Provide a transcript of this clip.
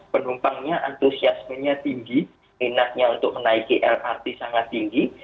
penumpangnya antusiasmenya tinggi minatnya untuk menaiki lrt sangat tinggi